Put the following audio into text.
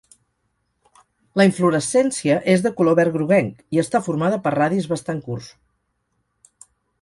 La inflorescència és de color verd groguenc i està formada per radis bastant curts.